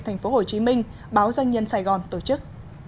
thành phố hồ chí minh báo doanh nhân sài gòn tổ chức